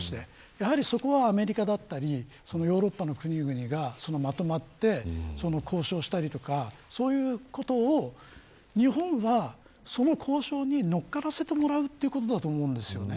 やはりそこは、アメリカだったりヨーロッパの国々がまとまって交渉したりとかそういうことを日本はその交渉に乗っからせてもらうということだと思うんです。